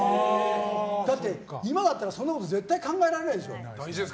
だって、今だったらそんなこと絶対考えられないでしょ。